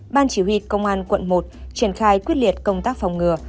ban chỉ huy công an quận một triển khai quyết liệt công tác phòng ngừa